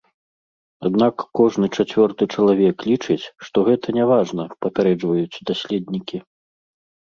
Аднак кожны чацвёрты чалавек лічыць, што гэта няважна, папярэджваюць даследнікі.